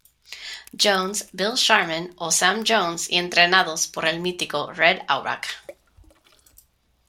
Jones, Bill Sharman o Sam Jones, y entrenados por el mítico Red Auerbach.